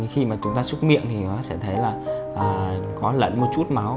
khi mà chúng ta xúc miệng thì nó sẽ thấy là có lẫn một chút máu